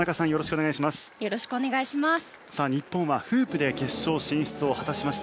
よろしくお願いします。